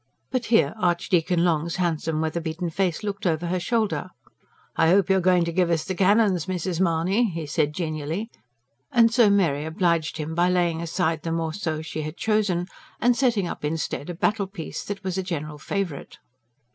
But here Archdeacon Long's handsome, weatherbeaten face looked over her shoulder. "I hope you're going to give us the cannons, Mrs. Mahony?" he said genially. And so Mary obliged him by laying aside the MORCEAU she had chosen, and setting up instead a "battle piece," that was a general favourite.